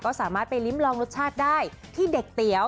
ก็สามารถไปลิ้มลองรสชาติได้ที่เด็กเตี๋ยว